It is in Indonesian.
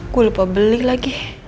gue lupa beli lagi